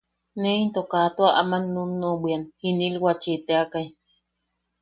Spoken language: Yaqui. Ne into kaa tua aman nunnuʼubwian jinilwachi teakai.